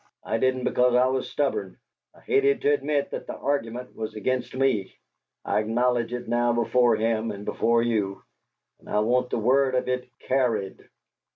"I didn't because I was stubborn. I hated to admit that the argument was against me. I acknowledge it now before him and before you and I want the word of it CARRIED!"